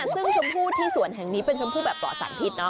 ซึ่งชมพู่ที่สวนแห่งนี้เป็นชมพู่แบบปลอดสารพิษ